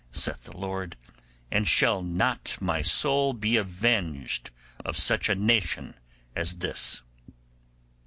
saith the Lord: and shall not My soul be avenged of such a nation as this?